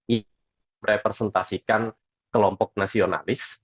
yang merepresentasikan kelompok nasionalis